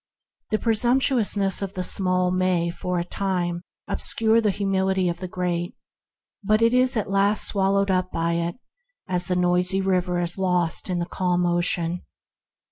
The pre sumptuousness of the small may for a time obscure the humility of the great, but it is at last swallowed up by it, as the noisy river is lost in the calm ocean.